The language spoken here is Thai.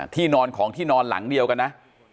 ที่นอนของที่นอนหลังเดียวกันนะ